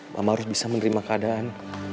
mama harus bisa menerima keadaan